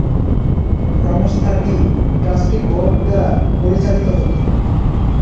সংস্থাটি trustee board দ্বারা পরিচালিত হত।